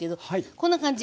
こんな感じ。